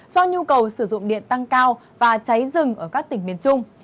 do nhu cầu sử dụng điện tăng cao và cháy rừng ở các tỉnh miền trung